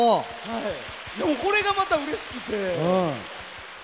これがまたうれしくて。